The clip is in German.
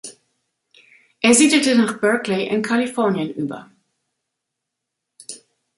Er siedelte nach Berkeley in Kalifornien über.